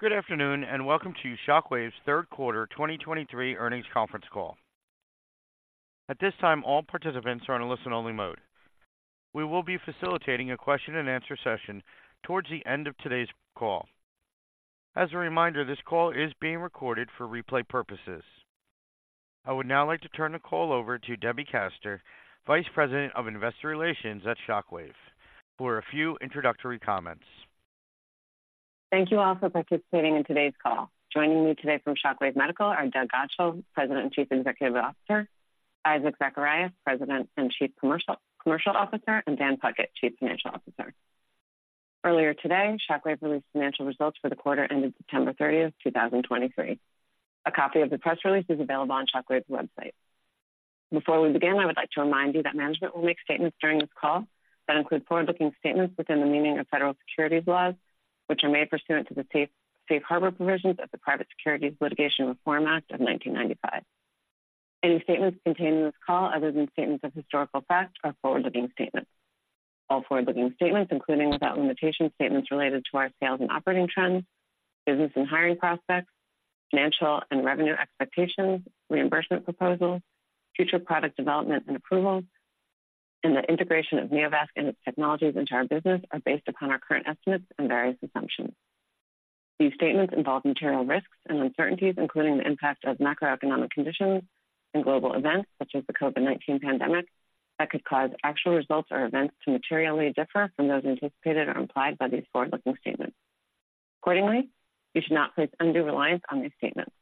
Good afternoon, and welcome to Shockwave's Q3 2023 earnings conference call. At this time, all participants are on a listen-only mode. We will be facilitating a question-and-answer session towards the end of today's call. As a reminder, this call is being recorded for replay purposes. I would now like to turn the call over to Debbie Kaster, Vice President of Investor Relations at Shockwave, for a few introductory comments. Thank you all for participating in today's call. Joining me today from Shockwave Medical are Doug Godshall, President and Chief Executive Officer, Isaac Zacharias, President and Chief Commercial Officer, and Dan Puckett, Chief Financial Officer. Earlier today, Shockwave released financial results for the quarter ended September 30, 2023. A copy of the press release is available on Shockwave's website. Before we begin, I would like to remind you that management will make statements during this call that include forward-looking statements within the meaning of federal securities laws, which are made pursuant to the Safe Harbor provisions of the Private Securities Litigation Reform Act of 1995. Any statements contained in this call other than statements of historical fact are forward-looking statements. All forward-looking statements, including without limitation, statements related to our sales and operating trends, business and hiring prospects, financial and revenue expectations, reimbursement proposals, future product development and approvals, and the integration of Neovasc and its technologies into our business, are based upon our current estimates and various assumptions. These statements involve material risks and uncertainties, including the impact of macroeconomic conditions and global events such as the COVID-19 pandemic, that could cause actual results or events to materially differ from those anticipated or implied by these forward-looking statements. Accordingly, you should not place undue reliance on these statements.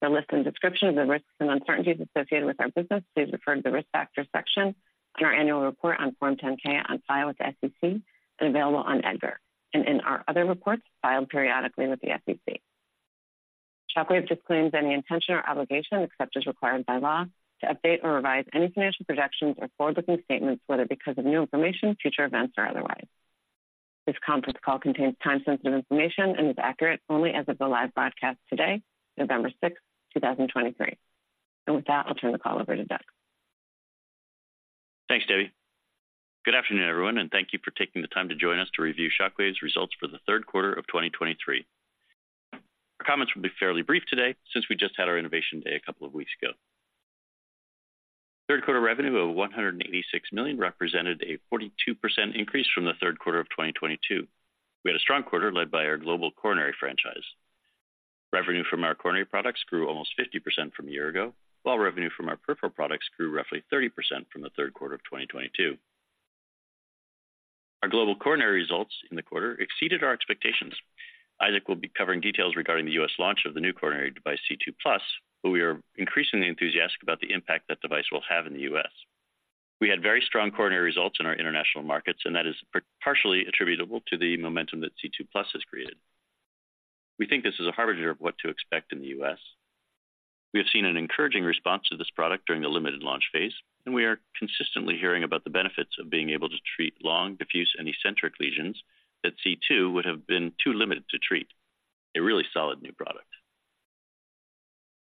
For a list and description of the risks and uncertainties associated with our business, please refer to the Risk Factors section in our annual report on Form 10-K, on file with the SEC and available on EDGAR, and in our other reports filed periodically with the SEC. Shockwave disclaims any intention or obligation, except as required by law, to update or revise any financial projections or forward-looking statements, whether because of new information, future events, or otherwise. This conference call contains time-sensitive information and is accurate only as of the live broadcast today, November 6, 2023. With that, I'll turn the call over to Doug. Thanks, Debbie. Good afternoon, everyone, and thank you for taking the time to join us to review Shockwave's results for the Q3 of 2023. Our comments will be fairly brief today since we just had our Innovation Day a couple of weeks ago. Q3 revenue of $186 million represented a 42% increase from the Q3 of 2022. We had a strong quarter led by our global coronary franchise. Revenue from our coronary products grew almost 50% from a year ago, while revenue from our peripheral products grew roughly 30% from the Q3 of 2022. Our global coronary results in the quarter exceeded our expectations. Isaac will be covering details regarding the U.S. launch of the new coronary device, C2+, but we are increasingly enthusiastic about the impact that device will have in the U.S. We had very strong coronary results in our international markets, and that is partially attributable to the momentum that C2+ has created. We think this is a harbinger of what to expect in the US. We have seen an encouraging response to this product during the limited launch phase, and we are consistently hearing about the benefits of being able to treat long, diffuse and eccentric lesions that C2 would have been too limited to treat. A really solid new product.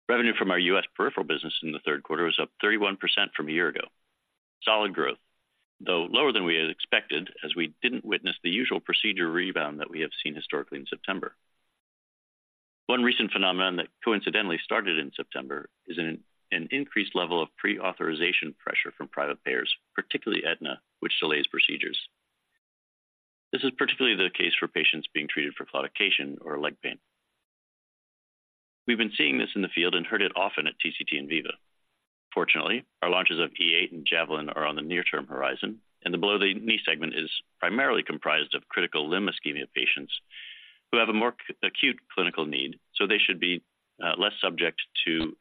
Revenue from our US peripheral business in the Q3 was up 31% from a year ago. Solid growth, though lower than we had expected, as we didn't witness the usual procedure rebound that we have seen historically in September. One recent phenomenon that coincidentally started in September is an increased level of prior authorization pressure from private payers, particularly Aetna, which delays procedures. This is particularly the case for patients being treated for claudication or leg pain. We've been seeing this in the field and heard it often at TCT and VIVA. Fortunately, our launches of E8 and Javelin are on the near-term horizon, and the below-the-knee segment is primarily comprised of critical limb ischemia patients who have a more acute clinical need, so they should be less subject to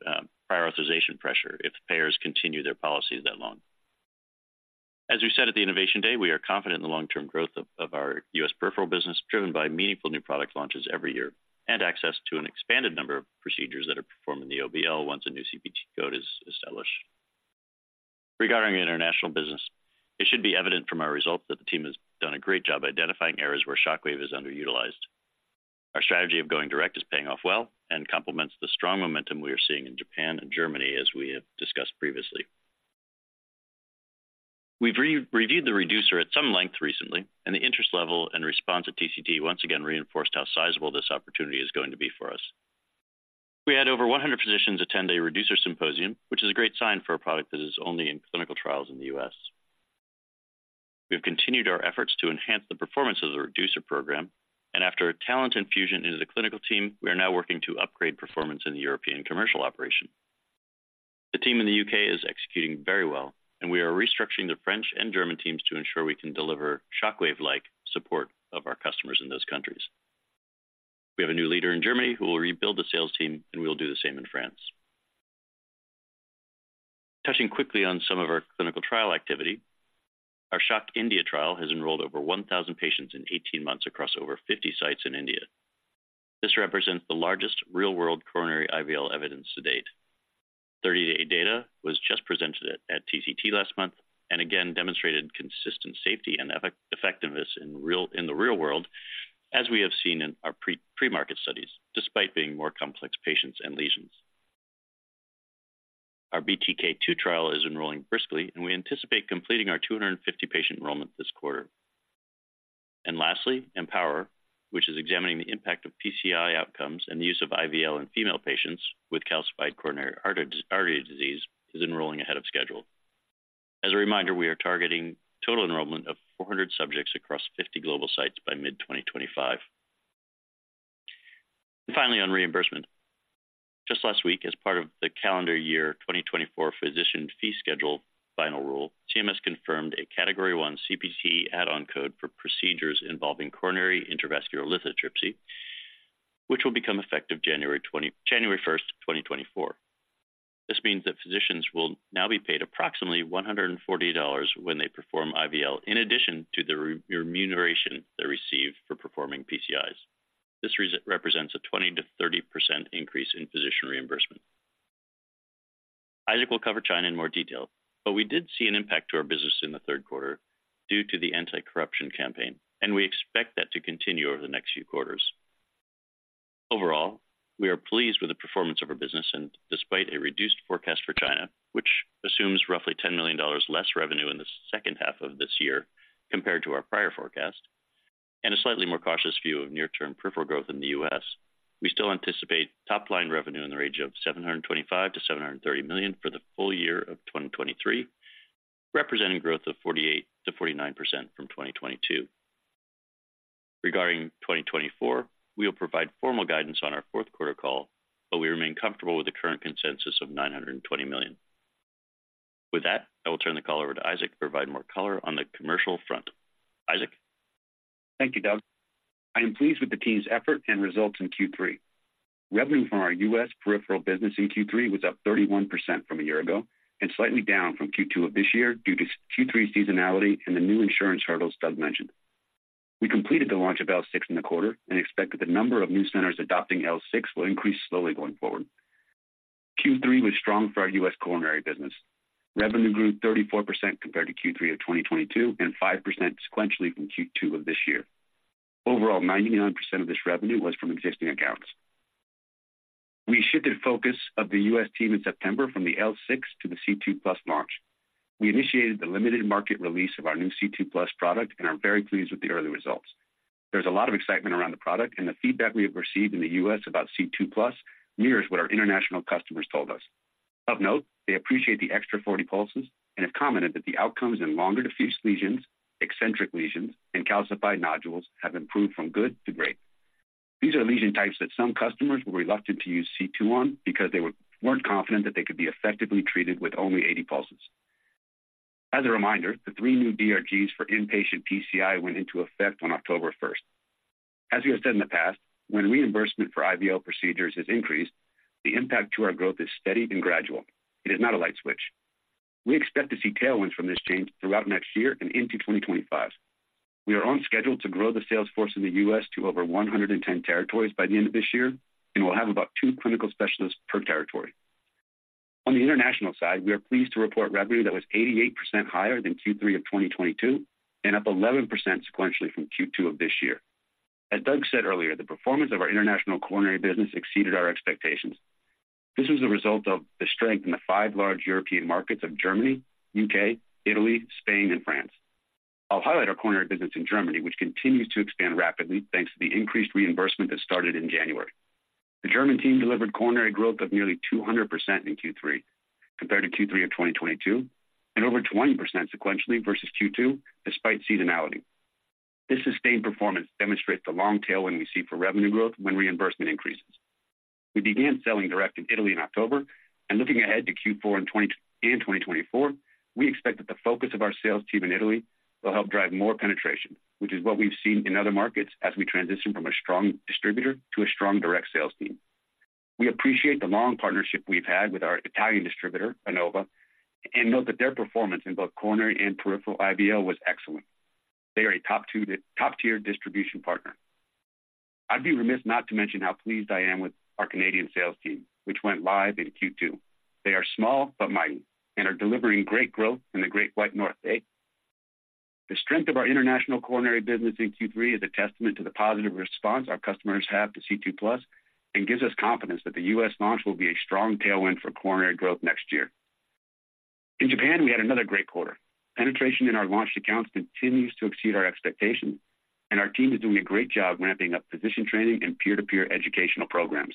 prioritization pressure if payers continue their policies that long. As we said at the Innovation Day, we are confident in the long-term growth of our U.S. peripheral business, driven by meaningful new product launches every year and access to an expanded number of procedures that are performed in the OBL once a new CPT code is established. Regarding the international business, it should be evident from our results that the team has done a great job identifying areas where Shockwave is underutilized. Our strategy of going direct is paying off well and complements the strong momentum we are seeing in Japan and Germany, as we have discussed previously. We've re-reviewed the Reducer at some length recently, and the interest level and response at TCT once again reinforced how sizable this opportunity is going to be for us. We had over 100 physicians attend a Reducer symposium, which is a great sign for a product that is only in clinical trials in the U.S. We have continued our efforts to enhance the performance of the Reducer program, and after a talent infusion into the clinical team, we are now working to upgrade performance in the European commercial operation. The team in the UK is executing very well, and we are restructuring the French and German teams to ensure we can deliver Shockwave-like support of our customers in those countries. We have a new leader in Germany who will rebuild the sales team, and we will do the same in France. Touching quickly on some of our clinical trial activity, our Shock India trial has enrolled over 1,000 patients in 18 months across over 50 sites in India. This represents the largest real-world coronary IVL evidence to date. 30-day data was just presented at TCT last month and again demonstrated consistent safety and effectiveness in the real world, as we have seen in our pre-market studies, despite being more complex patients and lesions. Our BTK-2 trial is enrolling briskly, and we anticipate completing our 250-patient enrollment this quarter. And lastly, Empower, which is examining the impact of PCI outcomes and the use of IVL in female patients with calcified coronary artery disease, is enrolling ahead of schedule. As a reminder, we are targeting total enrollment of 400 subjects across 50 global sites by mid-2025. Finally, on reimbursement. Just last week, as part of the calendar year 2024 Physician Fee Schedule final rule, CMS confirmed a Category I CPT add-on code for procedures involving coronary intravascular lithotripsy, which will become effective January 1, 2024. This means that physicians will now be paid approximately $140 when they perform IVL, in addition to the remuneration they receive for performing PCIs. This represents a 20%-30% increase in physician reimbursement. Isaac will cover China in more detail, but we did see an impact to our business in the Q3 due to the anti-corruption campaign, and we expect that to continue over the next few quarters. Overall, we are pleased with the performance of our business, and despite a reduced forecast for China, which assumes roughly $10 million less revenue in the second half of this year compared to our prior forecast, and a slightly more cautious view of near-term peripheral growth in the U.S., we still anticipate top-line revenue in the range of $725 million-$730 million for the full year of 2023, representing growth of 48%-49% from 2022. Regarding 2024, we will provide formal guidance on our Q4 call, but we remain comfortable with the current consensus of $920 million. With that, I will turn the call over to Isaac to provide more color on the commercial front. Isaac? Thank you, Doug. I am pleased with the team's effort and results in Q3. Revenue from our U.S. peripheral business in Q3 was up 31% from a year ago and slightly down from Q2 of this year due to Q3 seasonality and the new insurance hurdles Doug mentioned. We completed the launch of L6 in the quarter and expect that the number of new centers adopting L6 will increase slowly going forward. Q3 was strong for our U.S. coronary business. Revenue grew 34% compared to Q3 of 2022 and 5% sequentially from Q2 of this year. Overall, 99% of this revenue was from existing accounts. We shifted focus of the U.S. team in September from the L6 to the C2+ launch. We initiated the limited market release of our new C2+ product and are very pleased with the early results. There's a lot of excitement around the product, and the feedback we have received in the US about C2+ mirrors what our international customers told us. Of note, they appreciate the extra 40 pulses and have commented that the outcomes in longer diffuse lesions, eccentric lesions, and calcified nodules have improved from good to great. These are lesion types that some customers were reluctant to use C2 on because they weren't confident that they could be effectively treated with only 80 pulses. As a reminder, the 3 new DRGs for inpatient PCI went into effect on October 1. As we have said in the past, when reimbursement for IVL procedures is increased, the impact to our growth is steady and gradual. It is not a light switch. We expect to see tailwinds from this change throughout next year and into 2025. We are on schedule to grow the sales force in the U.S. to over 110 territories by the end of this year, and we'll have about two clinical specialists per territory. On the international side, we are pleased to report revenue that was 88% higher than Q3 of 2022 and up 11% sequentially from Q2 of this year. As Doug said earlier, the performance of our international coronary business exceeded our expectations. This was a result of the strength in the five large European markets of Germany, U.K., Italy, Spain, and France. I'll highlight our coronary business in Germany, which continues to expand rapidly thanks to the increased reimbursement that started in January. The German team delivered coronary growth of nearly 200% in Q3 compared to Q3 of 2022, and over 20% sequentially versus Q2, despite seasonality. This sustained performance demonstrates the long tail when we see for revenue growth when reimbursement increases. We began selling direct in Italy in October, and looking ahead to Q4 in 2024, we expect that the focus of our sales team in Italy will help drive more penetration, which is what we've seen in other markets as we transition from a strong distributor to a strong direct sales team. We appreciate the long partnership we've had with our Italian distributor, Innova, and note that their performance in both coronary and peripheral IVL was excellent. They are a top-tier distribution partner. I'd be remiss not to mention how pleased I am with our Canadian sales team, which went live in Q2. They are small but mighty and are delivering great growth in the Great White North, eh? The strength of our international coronary business in Q3 is a testament to the positive response our customers have to C2+ and gives us confidence that the U.S. launch will be a strong tailwind for coronary growth next year. In Japan, we had another great quarter. Penetration in our launched accounts continues to exceed our expectations, and our team is doing a great job ramping up physician training and peer-to-peer educational programs.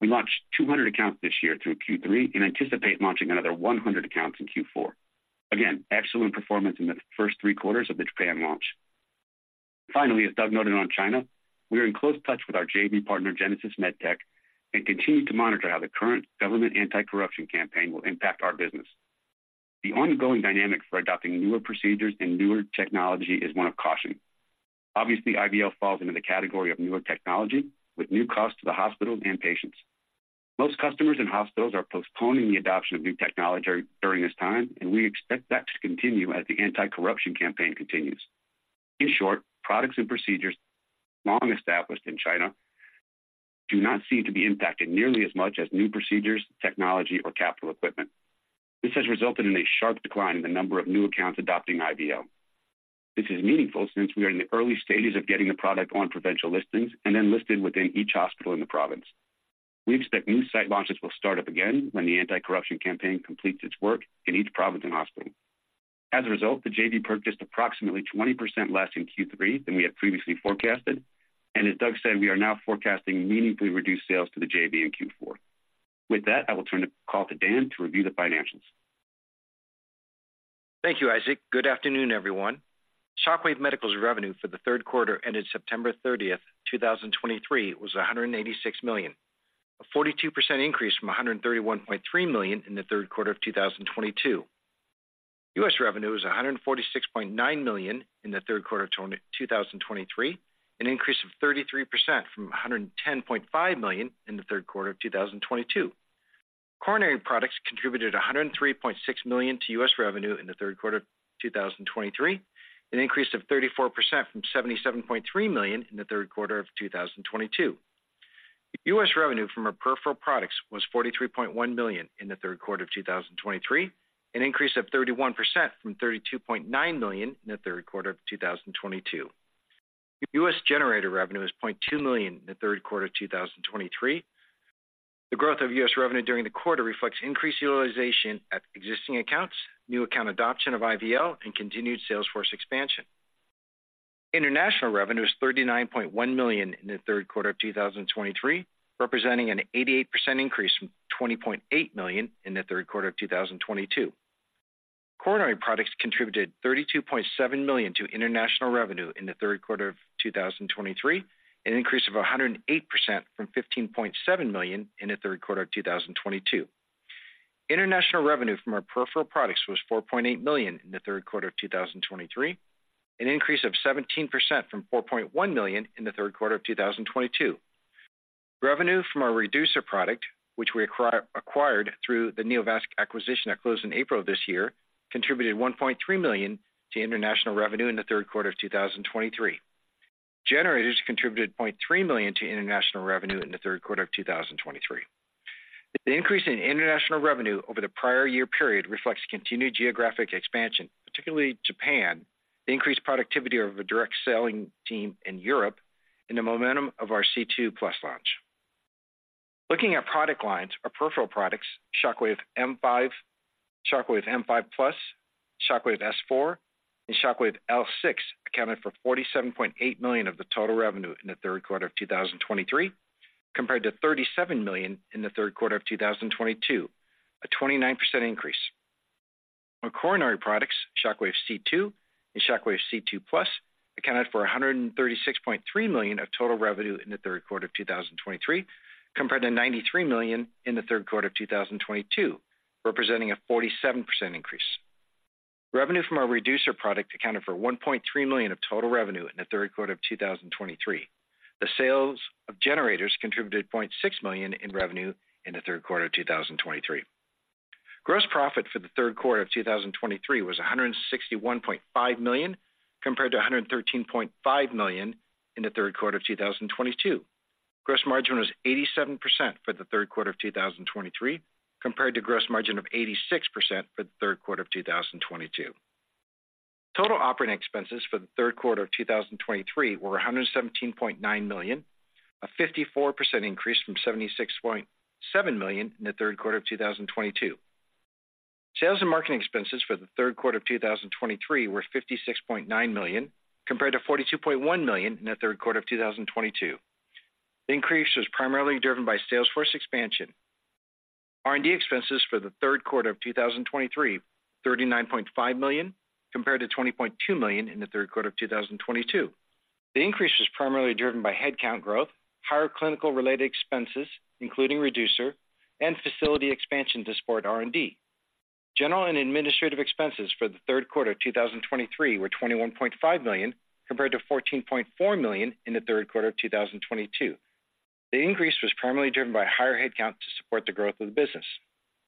We launched 200 accounts this year through Q3 and anticipate launching another 100 accounts in Q4. Again, excellent performance in the first three quarters of the Japan launch. Finally, as Doug noted on China, we are in close touch with our JV partner, Genesis MedTech, and continue to monitor how the current government anti-corruption campaign will impact our business. The ongoing dynamic for adopting newer procedures and newer technology is one of caution. Obviously, IVL falls into the category of newer technology, with new costs to the hospitals and patients. Most customers and hospitals are postponing the adoption of new technology during this time, and we expect that to continue as the Anti-Corruption Campaign continues. In short, products and procedures long established in China do not seem to be impacted nearly as much as new procedures, technology, or capital equipment. This has resulted in a sharp decline in the number of new accounts adopting IVL.... This is meaningful since we are in the early stages of getting the product on provincial listings and then listed within each hospital in the province. We expect new site launches will start up again when the Anti-Corruption Campaign completes its work in each province and hospital. As a result, the JV purchased approximately 20% less in Q3 than we had previously forecasted, and as Doug said, we are now forecasting meaningfully reduced sales to the JV in Q4. With that, I will turn the call to Dan to review the financials. Thank you, Isaac. Good afternoon, everyone. Shockwave Medical's revenue for the Q3, ended September 30, 2023, was $186 million, a 42% increase from $131.3 million in the Q3 of 2022. U.S. revenue is $146.9 million in the Q3 of 2023, an increase of 33% from $110.5 million in the Q3 of 2022. Coronary products contributed $103.6 million to U.S. revenue in the Q3 of 2023, an increase of 34% from $77.3 million in the Q3 of 2022. U.S. revenue from our peripheral products was $43.1 million in the Q3 of 2023, an increase of 31% from $32.9 million in the Q3 of 2022. U.S. generator revenue is $0.2 million in the Q3 of 2023. The growth of U.S. revenue during the quarter reflects increased utilization at existing accounts, new account adoption of IVL, and continued sales force expansion. International revenue is $39.1 million in the Q3 of 2023, representing an 88% increase from $20.8 million in the Q3 of 2022. Coronary products contributed $32.7 million to international revenue in the Q3 of 2023, an increase of 108% from $15.7 million in the Q3 of 2022. International revenue from our peripheral products was $4.8 million in the Q3 of 2023, an increase of 17% from $4.1 million in the Q3 of 2022. Revenue from our Reducer product, which we acquired through the Neovasc acquisition that closed in April of this year, contributed $1.3 million to international revenue in the Q3 of 2023. Generators contributed $0.3 million to international revenue in the Q3 of 2023. The increase in international revenue over the prior year period reflects continued geographic expansion, particularly Japan, the increased productivity of a direct selling team in Europe, and the momentum of our C2+ launch. Looking at product lines, our peripheral products, Shockwave M5, Shockwave M5+, Shockwave S4, and Shockwave L6, accounted for $47.8 million of the total revenue in the Q3 of 2023, compared to $37 million in the Q3 of 2022, a 29% increase. Our coronary products, Shockwave C2 and Shockwave C2+, accounted for $136.3 million of total revenue in the Q3 of 2023, compared to $93 million in the Q3 of 2022, representing a 47% increase. Revenue from our reducer product accounted for $1.3 million of total revenue in the Q3 of 2023. The sales of generators contributed $0.6 million in revenue in the Q3 of 2023. Gross profit for the Q3 of 2023 was $161.5 million, compared to $113.5 million in the Q3 of 2022. Gross margin was 87% for the Q3 of 2023, compared to gross margin of 86% for the Q3 of 2022. Total operating expenses for the Q3 of 2023 were $117.9 million, a 54% increase from $76.7 million in the Q3 of 2022. Sales and marketing expenses for the Q3 of 2023 were $56.9 million, compared to $42.1 million in the Q3 of 2022. The increase was primarily driven by sales force expansion. R&D expenses for the Q3 of 2023, $39.5 million, compared to $20.2 million in the Q3 of 2022. The increase was primarily driven by headcount growth, higher clinical-related expenses, including Reducer and facility expansion to support R&D. General and administrative expenses for the Q3 of 2023 were $21.5 million, compared to $14.4 million in the Q3 of 2022. The increase was primarily driven by higher headcount to support the growth of the business.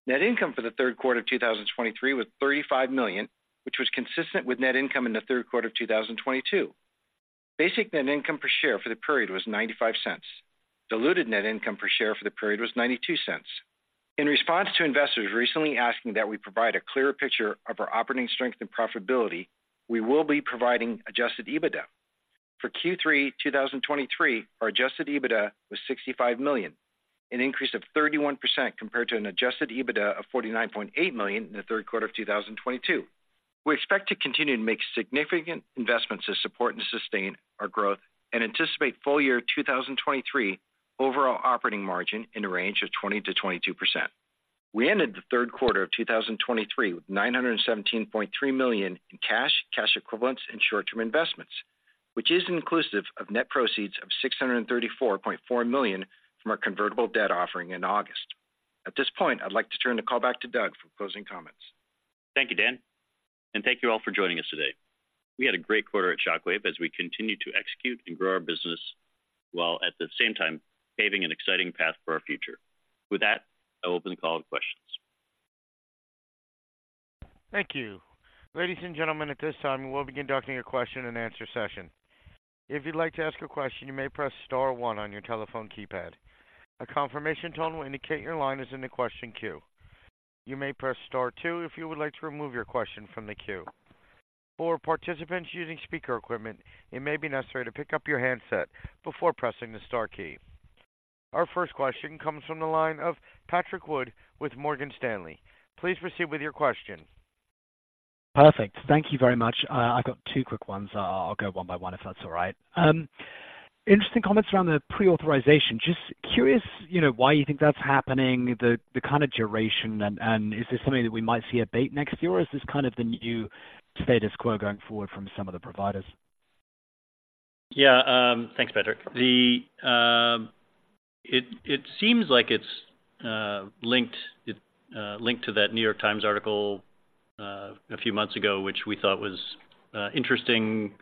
Net income for the Q3 of 2023 was $35 million, which was consistent with net income in the Q3 of 2022. Basic net income per share for the period was $0.95. Diluted net income per share for the period was $0.92. In response to investors recently asking that we provide a clearer picture of our operating strength and profitability, we will be providing adjusted EBITDA. For Q3 2023, our adjusted EBITDA was $65 million, an increase of 31% compared to an adjusted EBITDA of $49.8 million in the Q3 of 2022. We expect to continue to make significant investments to support and sustain our growth and anticipate full year 2023 overall operating margin in a range of 20%-22%. We ended the Q3 of 2023 with $917.3 million in cash, cash equivalents, and short-term investments, which is inclusive of net proceeds of $634.4 million from our convertible debt offering in August. At this point, I'd like to turn the call back to Doug for closing comments. Thank you, Dan, and thank you all for joining us today. We had a great quarter at Shockwave as we continue to execute and grow our business, while at the same time, paving an exciting path for our future. With that, I'll open the call to questions. Thank you. Ladies and gentlemen, at this time, we'll begin conducting a question and answer session. If you'd like to ask a question, you may press star one on your telephone keypad. A confirmation tone will indicate your line is in the question queue. You may press star two if you would like to remove your question from the queue. For participants using speaker equipment, it may be necessary to pick up your handset before pressing the star key. Our first question comes from the line of Patrick Wood with Morgan Stanley. Please proceed with your question. Perfect. Thank you very much. I've got two quick ones. I'll go one by one, if that's all right. Interesting comments around the prior authorization. Just curious, you know, why you think that's happening, the kind of duration and, and is this something that we might see it abate next year, or is this kind of the new status quo going forward from some of the providers? Yeah, thanks, Patrick. It seems like it's linked to that New York Times article a few months ago, which we thought was interesting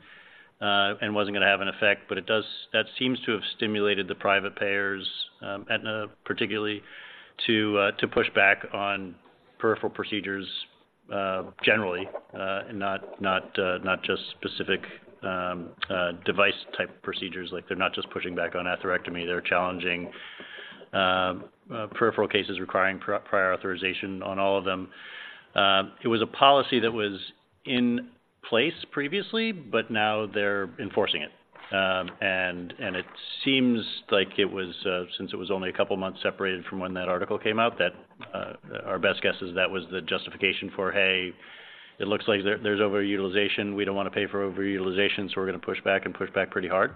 and wasn't going to have an effect, but it does. That seems to have stimulated the private payers, Aetna particularly, to push back on peripheral procedures generally, not just specific device type procedures. Like, they're not just pushing back on atherectomy, they're challenging peripheral cases requiring prior authorization on all of them. It was a policy that was in place previously, but now they're enforcing it. And it seems like it was since it was only a couple of months separated from when that article came out, our best guess is that was the justification for, "Hey, it looks like there's overutilization. We don't want to pay for overutilization, so we're going to push back and push back pretty hard."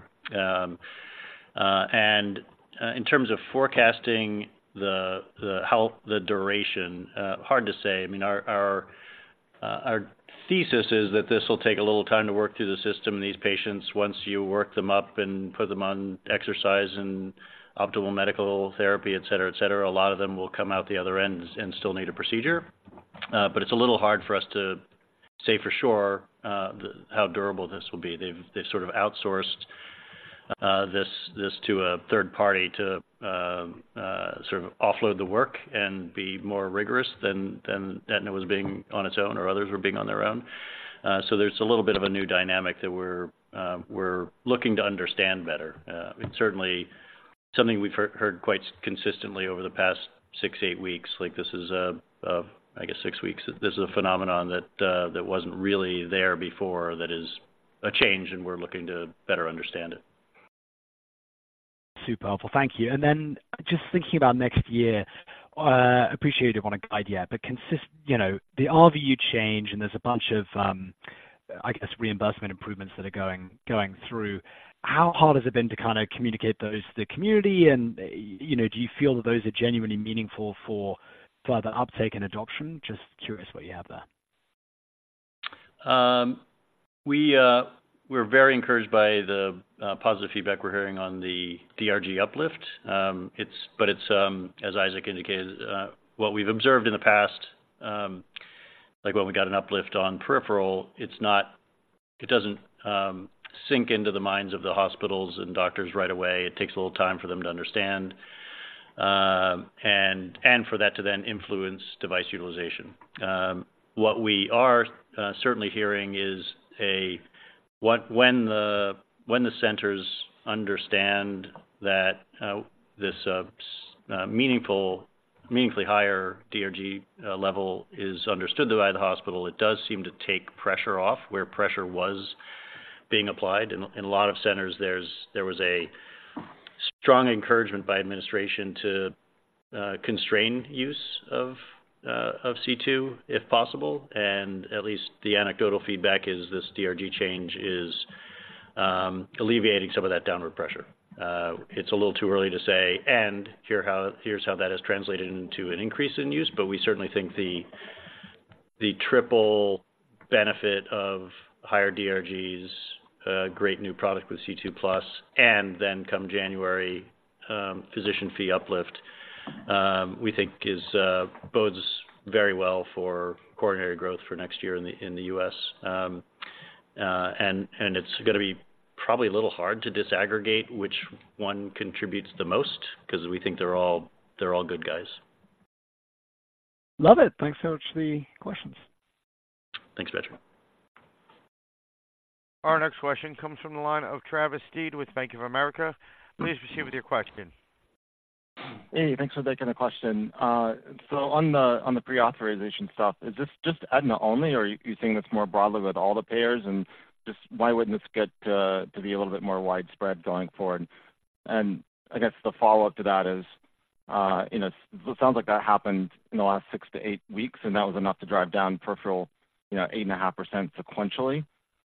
In terms of forecasting the duration, hard to say. I mean, our thesis is that this will take a little time to work through the system. These patients, once you work them up and put them on exercise and optimal medical therapy, et cetera, et cetera, a lot of them will come out the other end and still need a procedure. But it's a little hard for us to say for sure how durable this will be. They've sort of outsourced this to a third party to sort of offload the work and be more rigorous than Aetna was being on its own or others were being on their own. So there's a little bit of a new dynamic that we're looking to understand better. It's certainly something we've heard quite consistently over the past 6-8 weeks. Like, this is, I guess, 6 weeks. This is a phenomenon that wasn't really there before that is a change, and we're looking to better understand it. Super powerful. Thank you. And then just thinking about next year, appreciative of the idea, but consistent—you know, the RVU change, and there's a bunch of, I guess, reimbursement improvements that are going through. How hard has it been to kind of communicate those to the community and, you know, do you feel that those are genuinely meaningful for further uptake and adoption? Just curious what you have there. We're very encouraged by the positive feedback we're hearing on the DRG uplift. It's, but it's, as Isaac indicated, what we've observed in the past, like, when we got an uplift on peripheral, it's not it doesn't sink into the minds of the hospitals and doctors right away. It takes a little time for them to understand, and for that to then influence device utilization. What we are certainly hearing is when the centers understand that this meaningfully higher DRG level is understood by the hospital, it does seem to take pressure off, where pressure was being applied. In a lot of centers, there was a strong encouragement by administration to constrain use of C2, if possible, and at least the anecdotal feedback is this DRG change is alleviating some of that downward pressure. It's a little too early to say how -- here's how that has translated into an increase in use, but we certainly think the triple benefit of higher DRGs, a great new product with C2+, and then come January, physician fee uplift, we think is bodes very well for coronary growth for next year in the U.S. And it's going to be probably a little hard to disaggregate which one contributes the most because we think they're all good guys. Love it. Thanks so much for the questions. Thanks, Patrick. Our next question comes from the line of Travis Steed with Bank of America. Please proceed with your question. Hey, thanks for taking the question. So on the, on the pre-authorization stuff, is this just Aetna only, or are you seeing this more broadly with all the payers? And just why wouldn't this get to be a little bit more widespread going forward? And I guess the follow-up to that is, you know, it sounds like that happened in the last 6-8 weeks, and that was enough to drive down peripheral, you know, 8.5% sequentially.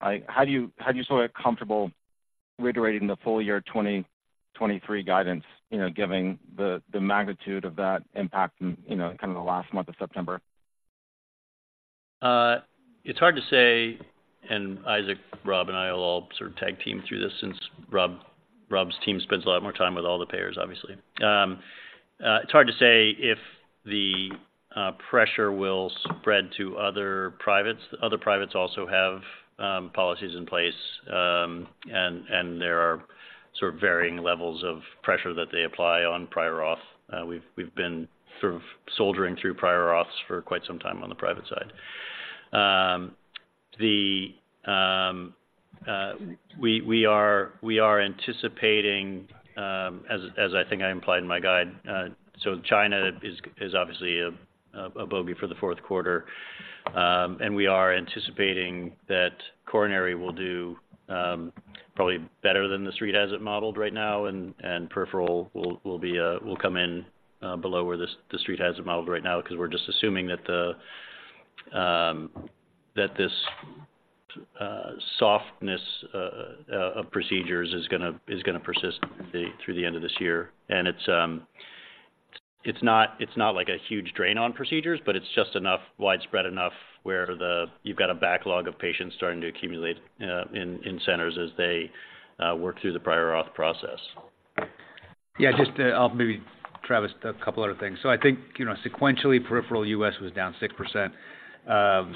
Like, how do you, how do you feel comfortable reiterating the full-year 2023 guidance, you know, giving the, the magnitude of that impact in, you know, kind of the last month of September? It's hard to say, and Isaac, Rob, and I will all sort of tag team through this since Rob's team spends a lot more time with all the payers, obviously. It's hard to say if the pressure will spread to other privates. Other privates also have policies in place, and there is sort of varying levels of pressure that they apply on prior AUTH. We've been sort of soldiering through prior auth for quite some time on the private side.... We are anticipating, as I think I implied in my guide, so China is obviously a bogey for the Q4. And we are anticipating that coronary will do probably better than the street has it modeled right now, and peripheral will come in below where the street has it modeled right now, because we're just assuming that this softness of procedures is gonna persist through the end of this year. And it's not like a huge drain on procedures, but it's just enough, widespread enough where you've got a backlog of patients starting to accumulate in centers as they work through the prior auth process. Yeah, just, I'll maybe, Travis, a couple other things. So I think, you know, sequentially, peripheral U.S. was down 6%.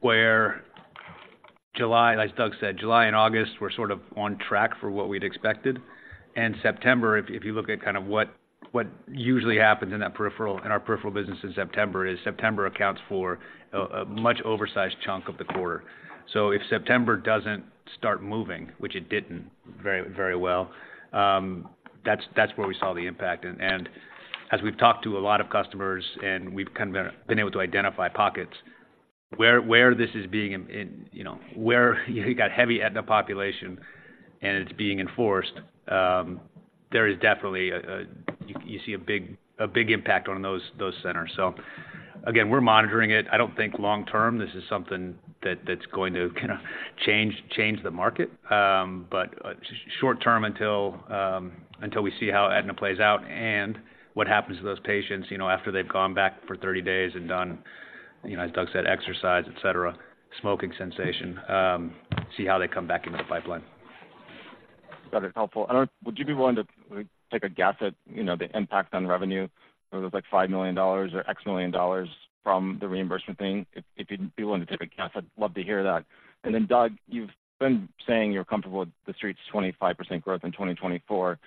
Where July, as Doug said, July and August were sort of on track for what we'd expected. And September, if you look at kind of what usually happens in that peripheral, in our peripheral business in September, is September accounts for a much oversized chunk of the quarter. So if September doesn't start moving, which it didn't, very well, that's where we saw the impact. And as we've talked to a lot of customers, and we've kind of been able to identify pockets where this is being, you know, where you've got heavy Aetna population and it's being enforced, there is definitely a... You see a big impact on those centers. So again, we're monitoring it. I don't think long term, this is something that's going to change the market. But short term until we see how Aetna plays out and what happens to those patients, you know, after they've gone back for 30 days and done, you know, as Doug said, exercise, et cetera, smoking cessation, see how they come back into the pipeline. Got it. Helpful. I don't-- Would you be willing to take a guess at, you know, the impact on revenue? Whether it was, like, $5 million or $X million from the reimbursement thing? If, if you'd be willing to take a guess, I'd love to hear that. And then, Doug, you've been saying you're comfortable with the Street's 25% growth in 2024.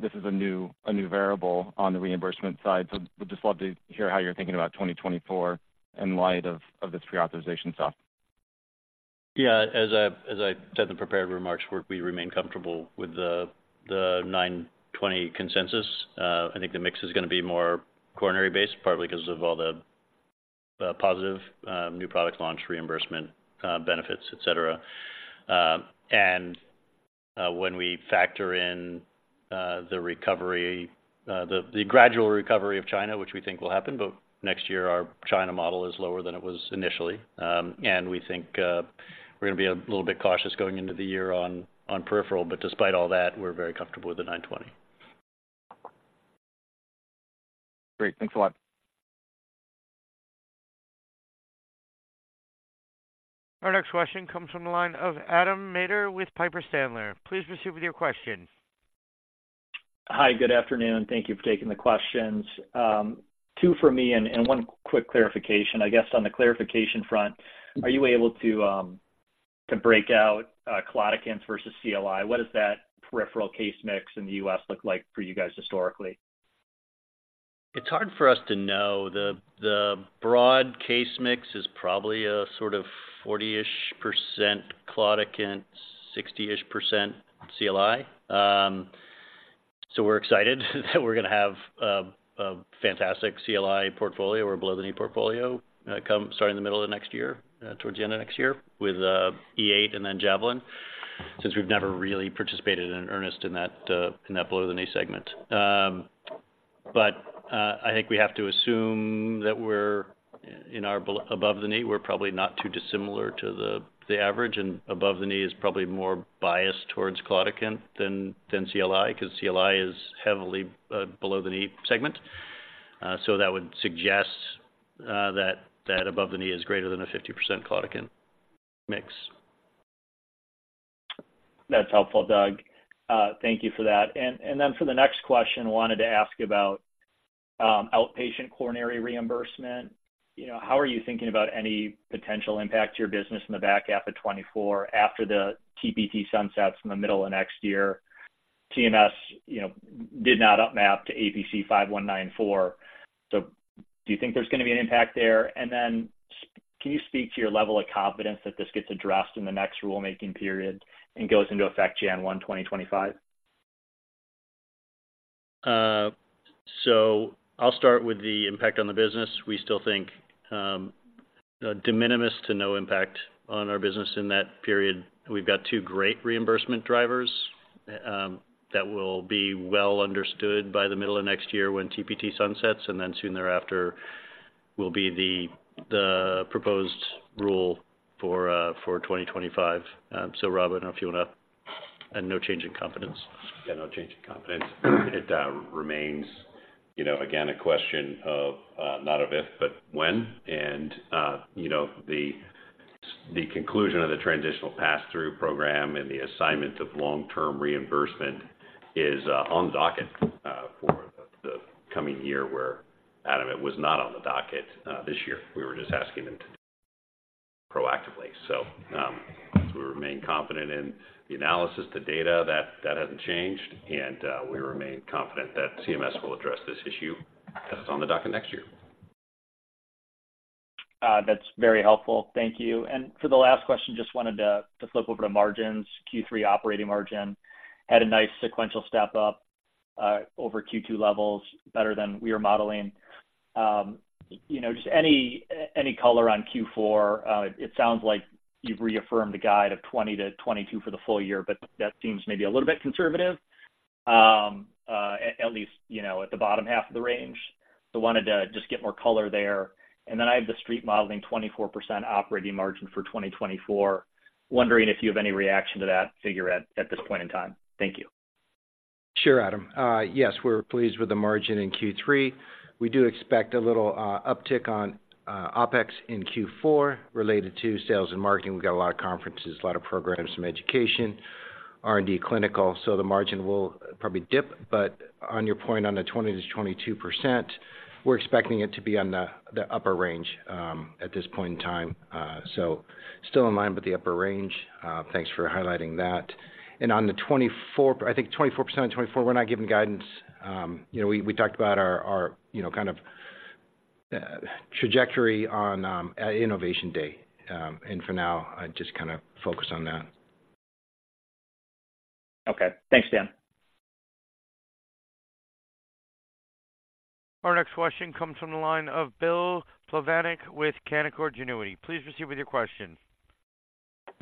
This is a new, a new variable on the reimbursement side. So would just love to hear how you're thinking about 2024 in light of, of this pre-authorization stuff. Yeah, as I've said in the prepared remarks, we remain comfortable with the $920 consensus. I think the mix is gonna be more coronary-based, partly because of all the positive new product launch reimbursement benefits, et cetera. And when we factor in the recovery, the gradual recovery of China, which we think will happen, but next year, our China model is lower than it was initially. And we think we're gonna be a little bit cautious going into the year on peripheral. But despite all that, we're very comfortable with the $920. Great. Thanks a lot. Our next question comes from the line of Adam Maeder with Piper Sandler. Please proceed with your question. Hi, good afternoon, and thank you for taking the questions. Two for me and one quick clarification. I guess on the clarification front, are you able to t break out Claudicants versus CLI? What does that peripheral case mix in the U.S. look like for you guys historically? It's hard for us to know. The broad case mix is probably a sort of 40-ish% Claudicant, 60-ish% CLI. So we're excited that we're gonna have a fantastic CLI portfolio or below-the-knee portfolio, come starting in the middle of next year, towards the end of next year, with E8 and then Javelin, since we've never really participated in earnest in that below-the-knee segment. But I think we have to assume that we're in our above the knee, we're probably not too dissimilar to the average, and above the knee is probably more biased towards Claudicant than CLI, because CLI is heavily below the knee segment. So that would suggest that above the knee is greater than a 50% Claudicant mix. That's helpful, Doug. Thank you for that. And, and then for the next question, I wanted to ask about, outpatient coronary reimbursement. You know, how are you thinking about any potential impact to your business in the back half of 2024 after the TPT sunsets in the middle of next year? CMS, you know, did not map to APC 5194. So do you think there's gonna be an impact there? And then can you speak to your level of confidence that this gets addressed in the next rulemaking period and goes into effect January 1, 2025? So I'll start with the impact on the business. We still think, de minimis to no impact on our business in that period. We've got two great reimbursement drivers, that will be well understood by the middle of next year when TPT sunsets, and then soon thereafter will be the, the proposed rule for, for 2025. So Robert, I don't know if you wanna... And no change in confidence. Yeah, no change in confidence. It remains, you know, again, a question of not if, but when. And you know, the conclusion of the Transitional Pass-Through program and the assignment of long-term reimbursement is on the docket for the coming year, where Adam, it was not on the docket this year. We were just asking them to do.... proactively. So, we remain confident in the analysis, the data, that hasn't changed, and we remain confident that CMS will address this issue that is on the docket next year. That's very helpful. Thank you. And for the last question, just wanted to flip over to margins. Q3 operating margin had a nice sequential step up over Q2 levels, better than we were modeling. You know, just any color on Q4? It sounds like you've reaffirmed a guide of 20-22 for the full year, but that seems maybe a little bit conservative, at least, you know, at the bottom half of the range. So wanted to just get more color there. And then I have the street modeling 24% operating margin for 2024. Wondering if you have any reaction to that figure at this point in time. Thank you. Sure, Adam. Yes, we're pleased with the margin in Q3. We do expect a little uptick on OpEx in Q4 related to sales and marketing. We've got a lot of conferences, a lot of programs, some education, R&D clinical, so the margin will probably dip. But on your point, on the 20%-22%, we're expecting it to be on the upper range at this point in time. So still in line with the upper range. Thanks for highlighting that. And on the 24, I think 24%, 24, we're not giving guidance. You know, we, we talked about our, our, you know, kind of trajectory on at Innovation Day. And for now, I'd just kinda focus on that. Okay. Thanks, Dan. Our next question comes from the line of Bill Plovanic with Canaccord Genuity. Please proceed with your question.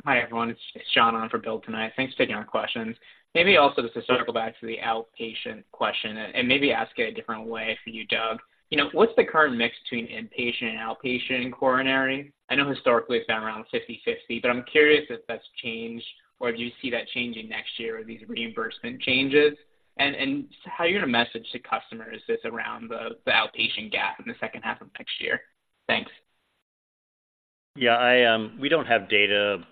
Hi, everyone. It's John on for Bill tonight. Thanks for taking our questions. Maybe also just to circle back to the outpatient question and maybe ask it a different way for you, Doug. You know, what's the current mix between inpatient and outpatient in coronary? I know historically it's been around 50/50, but I'm curious if that's changed, or do you see that changing next year with these reimbursement changes? And how are you gonna message to customers this around the outpatient gap in the second half of next year? Thanks. Yeah, I... We don't have data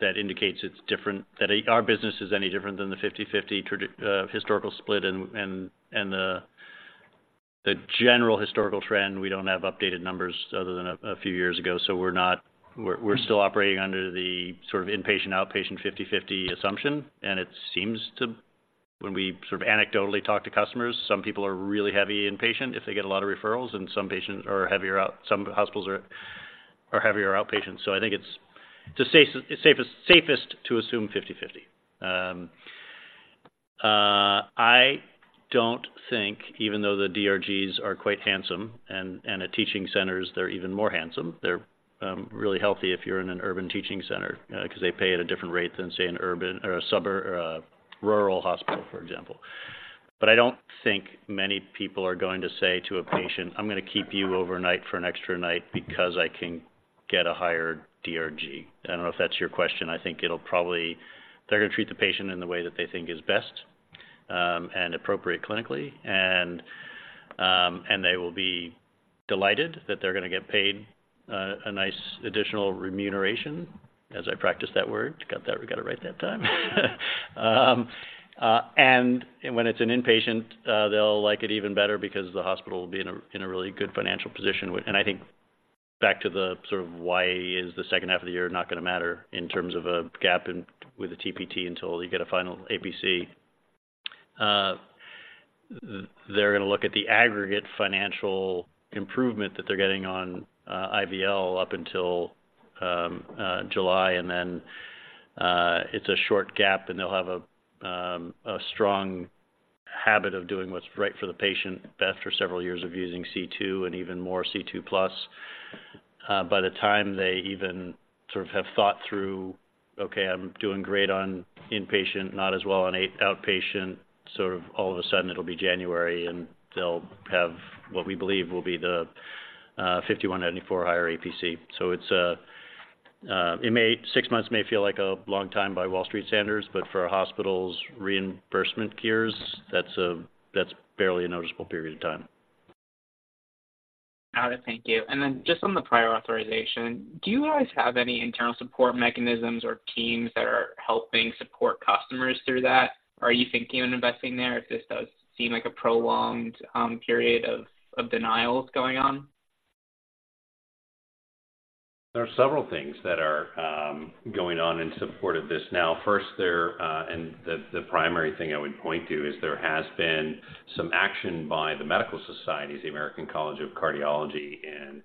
that indicates it's different, that our business is any different than the 50/50 traditional historical split and the general historical trend. We don't have updated numbers other than a few years ago, so we're still operating under the sort of inpatient, outpatient 50/50 assumption, and it seems to, when we sort of anecdotally talk to customers, some people are really heavy inpatient if they get a lot of referrals, and some hospitals are heavier outpatient. So I think it's the safest to assume 50/50. I don't think even though the DRGs are quite handsome and at teaching centers, they're even more handsome, they're really healthy if you're in an urban teaching center, 'cause they pay at a different rate than, say, an urban or a suburb, rural hospital, for example. But I don't think many people are going to say to a patient, "I'm gonna keep you overnight for an extra night because I can get a higher DRG." I don't know if that's your question. I think it'll probably. They're gonna treat the patient in the way that they think is best, and appropriate clinically. And they will be delighted that they're gonna get paid a nice additional remuneration, as I practice that word. Got that. We got it right that time. and when it's an inpatient, they'll like it even better because the hospital will be in a, in a really good financial position. And I think back to the sort of why is the second half of the year not gonna matter in terms of a gap in with the TPT until you get a final APC. They're gonna look at the aggregate financial improvement that they're getting on IVL up until July, and then it's a short gap, and they'll have a strong habit of doing what's right for the patient after several years of using C2 and even more C2+. By the time they even sort of have thought through, okay, I'm doing great on inpatient, not as well on outpatient, sort of all of a sudden it'll be January, and they'll have what we believe will be the 5194 higher APC. So it's, six months may feel like a long time by Wall Street standards, but for a hospital's reimbursement years, that's barely a noticeable period of time. Got it. Thank you. And then just on the Prior Authorization, do you guys have any internal support mechanisms or teams that are helping support customers through that? Are you thinking of investing there if this does seem like a prolonged period of denials going on? There are several things that are going on in support of this. Now, first, and the primary thing I would point to is there has been some action by the medical societies, the American College of Cardiology and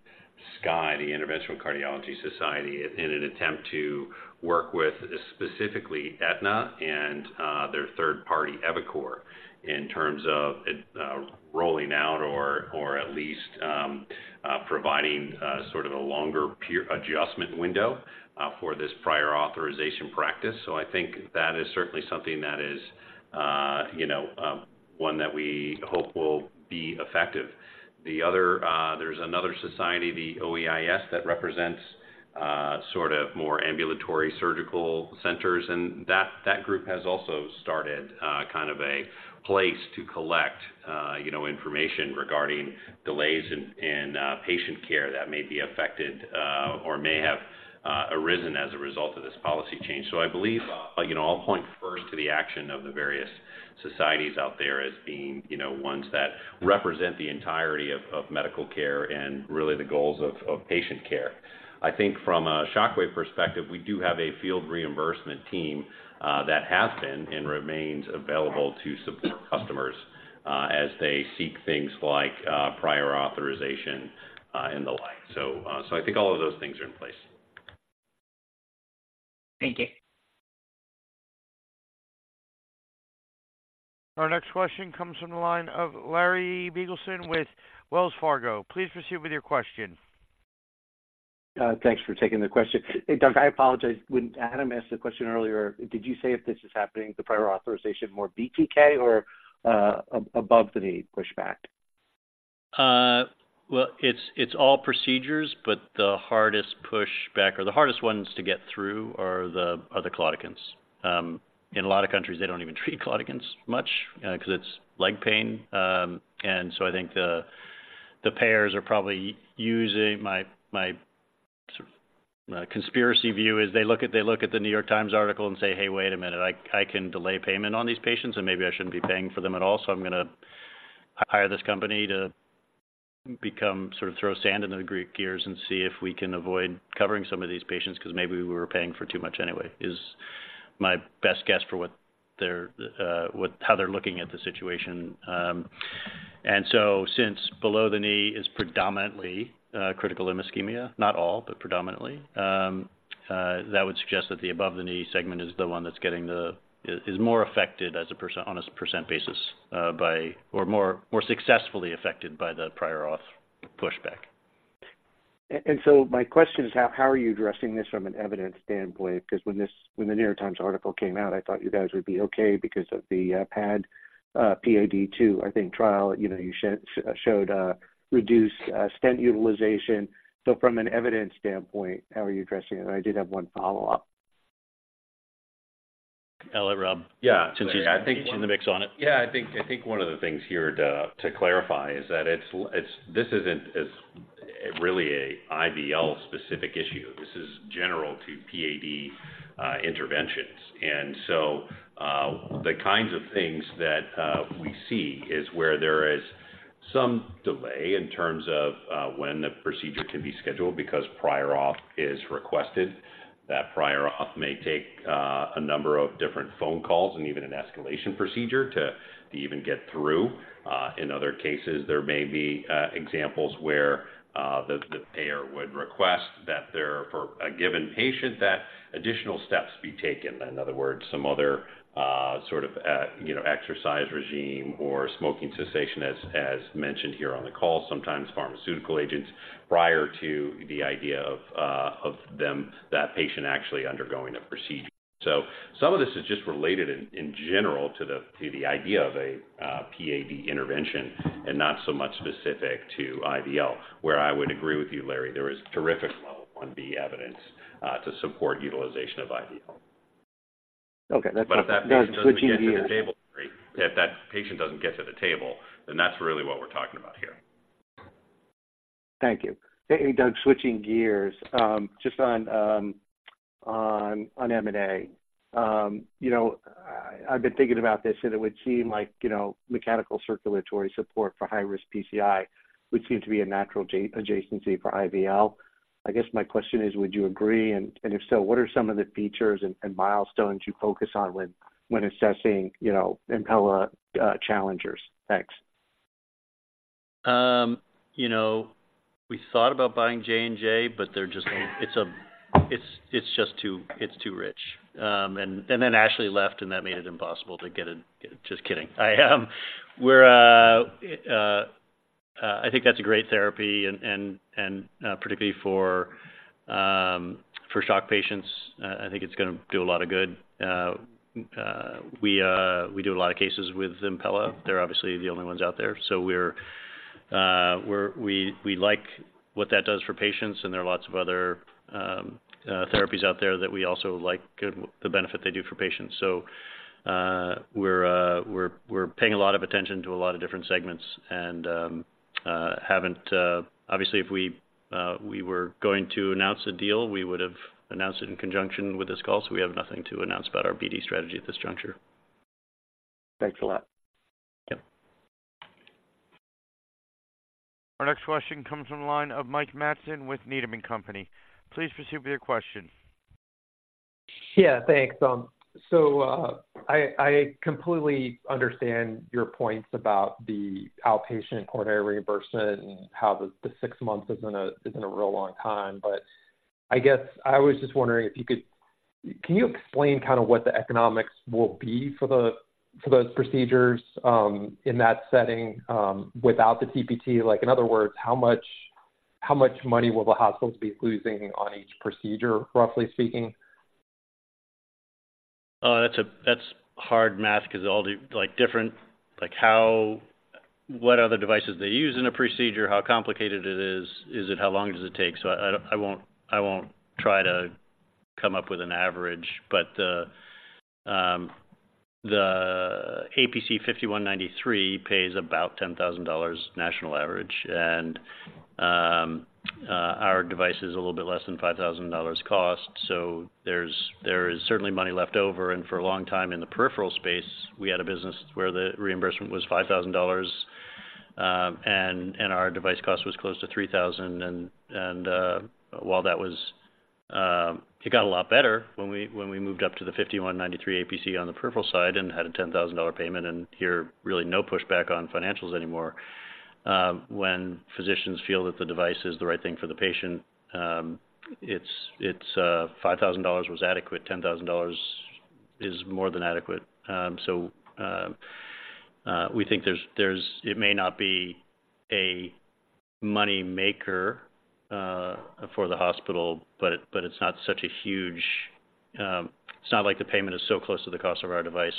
SCAI, the Interventional Cardiology Society, in an attempt to work with specifically Aetna and their third party, EviCore, in terms of rolling out or, or at least, providing sort of a longer peer adjustment window for this prior authorization practice. So I think that is certainly something that is you know one that we hope will be effective. The other, there's another society, the OEIS, that represents, sort of more ambulatory surgical centers, and that, that group has also started, kind of a place to collect, you know, information regarding delays in, in, patient care that may be affected, or may have-... arisen as a result of this policy change. So I believe, you know, I'll point first to the action of the various societies out there as being, you know, ones that represent the entirety of medical care and really the goals of patient care. I think from a Shockwave perspective, we do have a field reimbursement team that has been and remains available to support customers as they seek things like prior authorization and the like. So, so I think all of those things are in place. Thank you. Our next question comes from the line of Larry Biegelsen with Wells Fargo. Please proceed with your question. Thanks for taking the question. Hey, Doug, I apologize. When Adam asked the question earlier, did you say if this is happening, the prior authorization, more BTK or above the knee pushback? Well, it's all procedures, but the hardest pushback or the hardest ones to get through are the Claudicants. In a lot of countries, they don't even treat Claudicants much, 'cause its leg pain. And so I think the payers are probably using my conspiracy view is they look at the New York Times article and say, "Hey, wait a minute, I can delay payment on these patients, and maybe I shouldn't be paying for them at all, so I'm gonna hire this company to become... sort of throw sand into the great gears and see if we can avoid covering some of these patients, 'cause maybe we were paying for too much anyway," is my best guess for what they're, what- how they're looking at the situation. And so since below the knee is predominantly critical limb ischemia, not all, but predominantly, that would suggest that the above-the-knee segment is the one that's getting the… is more affected as a percent, on a percent basis, by or more successfully affected by the prior auth pushback. And so my question is, how are you addressing this from an evidence standpoint? Because when the New York Times article came out, I thought you guys would be okay because of the PAD II, I think, trial, you know, you showed reduced stent utilization. So from an evidence standpoint, how are you addressing it? I did have one follow-up. I'll let Rob- Yeah. Since he's- I think-... he's in the mix on it. Yeah, I think one of the things here to clarify is that this isn't really an IVL specific issue. This is general to PAD interventions. And so, the kinds of things that we see is where there is some delay in terms of when the procedure can be scheduled, because prior auth is requested. That prior auth may take a number of different phone calls and even an escalation procedure to even get through. In other cases, there may be examples where the payer would request that there, for a given patient, that additional steps be taken. In other words, some other sort of, you know, exercise regime or smoking cessation, as mentioned here on the call, sometimes pharmaceutical agents, prior to the idea of them, that patient actually undergoing a procedure. So some of this is just related in general to the idea of a PAD intervention and not so much specific to IVL. Where I would agree with you, Larry, there is terrific level on the evidence to support utilization of IVL. Okay, that's- But if that patient doesn't get to the table, if that patient doesn't get to the table, then that's really what we're talking about here. Thank you. Hey, Doug, switching gears, just on M&A. You know, I've been thinking about this, and it would seem like, you know, mechanical circulatory support for high-risk PCI would seem to be a natural adjacency for IVL. I guess my question is, would you agree? And if so, what are some of the features and milestones you focus on when assessing, you know, Impella challengers? Thanks. You know, we thought about buying J&J, but they're just too rich. And then Ashley left, and that made it impossible to get a... Just kidding. I think that's a great therapy, and particularly for shock patients, I think it's gonna do a lot of good. We do a lot of cases with Impella. They're obviously the only ones out there. So we like what that does for patients, and there are lots of other therapies out there that we also like, the benefit they do for patients. So we're paying a lot of attention to a lot of different segments and haven't... Obviously, if we, we were going to announce a deal, we would have announced it in conjunction with this call, so we have nothing to announce about our BD strategy at this juncture. Thanks a lot. Yeah. Our next question comes from the line of Mike Matson with Needham & Company. Please proceed with your question. Yeah, thanks. So, I completely understand your points about the outpatient coronary reimbursement and how the 6 months isn't a real long time. But I guess I was just wondering if you could. Can you explain kind of what the economics will be for those procedures in that setting without the TPT? Like, in other words, how much money will the hospitals be losing on each procedure, roughly speaking? That's hard math because all the, like, different, like how, what are the devices they use in a procedure, how complicated it is, how long does it take? So I won't try to come up with an average. But,... The APC 5193 pays about $10,000 national average, and our device is a little bit less than $5,000 cost. So there is certainly money left over, and for a long time in the peripheral space, we had a business where the reimbursement was $5,000, and while that was... It got a lot better when we moved up to the 5193 APC on the peripheral side and had a $10,000 payment, and we hear really no pushback on financials anymore. When physicians feel that the device is the right thing for the patient, it's $5,000 was adequate, $10,000 is more than adequate. So, we think there's it may not be a money maker for the hospital, but it's not such a huge. It's not like the payment is so close to the cost of our device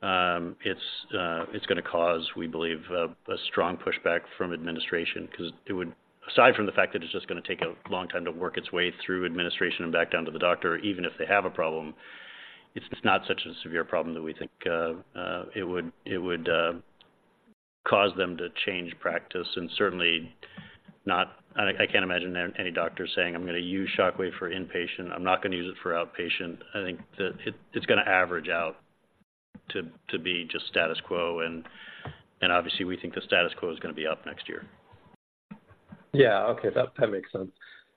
where it's going to cause, we believe, a strong pushback from administration, because it would, aside from the fact that it's just going to take a long time to work its way through administration and back down to the doctor, even if they have a problem, it's not such a severe problem that we think it would cause them to change practice, and certainly not. I can't imagine any doctor saying, "I'm going to use Shockwave for inpatient. I'm not going to use it for outpatient." I think that it's going to average out to be just status quo, and obviously, we think the status quo is going to be up next year. Yeah. Okay, that makes sense.